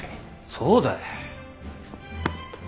そうだい。